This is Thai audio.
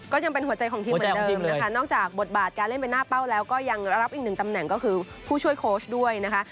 ยังเป็นหัวใจของทีมเหมือนเดิมนะคะนอกจากบทบาทการเล่นเป็นหน้าเป้าแล้วก็ยังรับอีกหนึ่งตำแหน่งก็คือผู้ช่วยโค้ชด้วยนะคะ